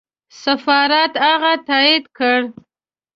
سفارت هغه تایید کړ.